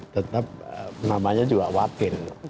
tetap namanya juga wakil